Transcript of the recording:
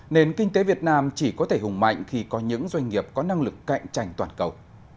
nền kinh tế việt nam chỉ có thể hùng mạnh khi có những doanh nghiệp có năng lực cạnh tranh toàn cầu